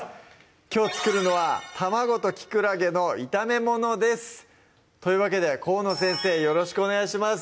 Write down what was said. きょう作るのは「卵ときくらげの炒めもの」ですというわけで河野先生よろしくお願いします